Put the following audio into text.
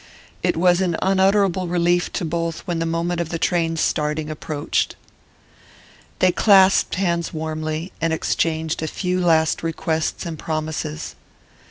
It was an unutterable relief to both when the moment of the train's starting approached. They clasped hands warmly, and exchanged a few last requests and promises.